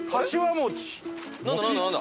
餅？